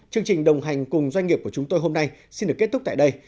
chương trình đồng hành cùng doanh nghiệp của chúng tôi hôm nay xin được kết thúc tại đây